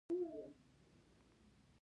ځینې شتمنۍ د ارث له لارې ترلاسه شوې وي.